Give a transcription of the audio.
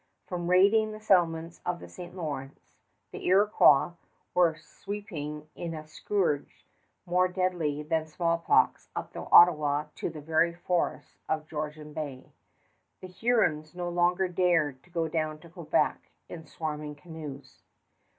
From raiding the settlements of the St. Lawrence, the Iroquois were sweeping in a scourge more deadly than smallpox up the Ottawa to the very forests of Georgian Bay. The Hurons no longer dared to go down to Quebec in swarming canoes.